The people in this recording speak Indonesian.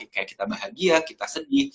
kayak kita bahagia kita sedih